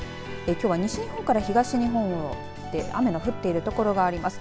きょうは西日本から東日本で雨の降っている所があります。